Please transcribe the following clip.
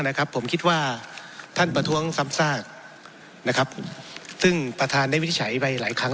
นะครับผมคิดว่าท่านประท้วงซ้ำซากนะครับซึ่งประธานได้วินิจฉัยไปหลายครั้ง